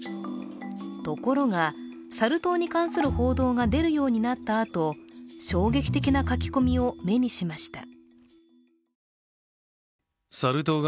ところが、サル痘に関する報道が出るようになったあと衝撃的な書き込みを目にしました。